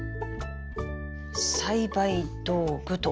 栽培道具っと。